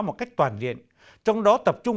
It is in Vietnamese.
một cách toàn diện trong đó tập trung